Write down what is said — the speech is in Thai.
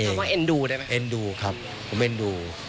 คำว่าเอ็นดูได้ไหมเอ็นดูครับผมเอ็นดู